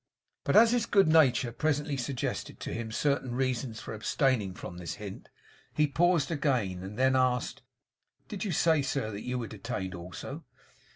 But, as his good nature presently suggested to him certain reasons for abstaining from this hint, he paused again, and then asked: 'Did you say, sir, that you were detained also?